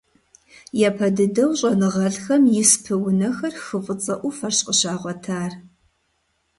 Япэ дыдэу щIэныгъэлIхэм испы унэхэр хы ФIыцIэ Iуфэрщ къыщагъуэтар.